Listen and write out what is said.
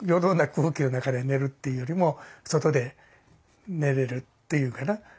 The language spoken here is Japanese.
空気の中で寝るっていうよりも外で寝れるっていうんかな